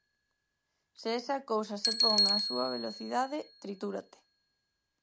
Se esa cousa se pon á súa velocidade, tritúrate.